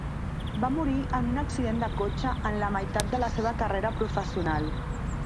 Va morir en un accident de cotxe en la meitat de la seva carrera professional.